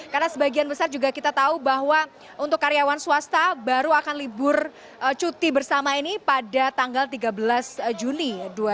karena sebagian besar juga kita tahu bahwa untuk karyawan swasta baru akan libur cuti bersama ini pada tanggal tiga belas juni dua ribu delapan belas